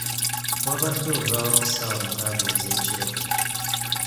Wabadde ovaawa ku ssaawa mukaaga ez'ekiro?